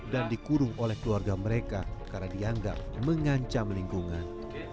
dan dikurung oleh keluarga mereka karena dianggap mengancam lingkungan